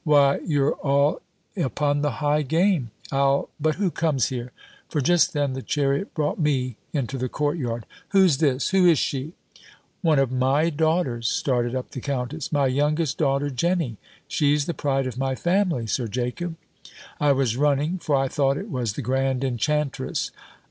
Why you're all upon the high game! I'll But who comes here?" For just then, the chariot brought me into the court yard "Who's this? who is she?" "One of my daughters," started up the countess; "my youngest daughter Jenny! She's the pride of my family, Sir Jacob!" "I was running; for I thought it was the grand enchantress."